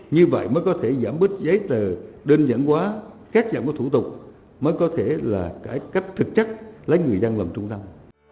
như vậy mới có thể giảm bứt giấy tờ đơn giản hóa cắt giảm các thủ tục mới có thể là cải cách thực chất lấy người dân làm trung tâm